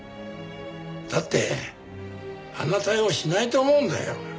だってあんな対応しないと思うんだよ。